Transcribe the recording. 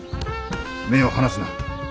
目を離すな。